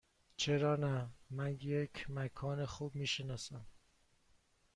چرا نه؟ من یک مکان خوب می شناسم.